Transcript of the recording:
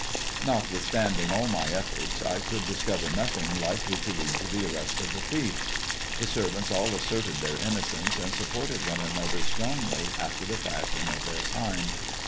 Notwithstanding all my efforts I could discover nothing likely to lead to the arrest of the thief. The servants all asserted their innocence, and supported one another strongly after the fashion of their kind.